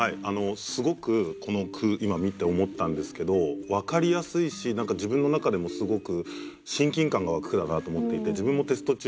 すごくこの句今見て思ったんですけど分かりやすいし何か自分の中でもすごく親近感が湧く句だなと思っていて自分もテスト中